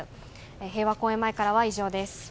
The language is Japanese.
平和公園前から以上です。